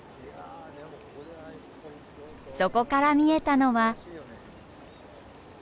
そこから見えたのは。